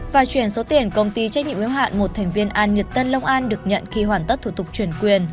và chuyển số tiền công ty trách nhiệm yếu hạn một thành viên an nhật tân long an được nhận khi hoàn tất thủ tục chuyển quyền